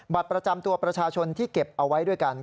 บัตรประจำตัวประชาชนที่เก็บเอาไว้ด้วยกัน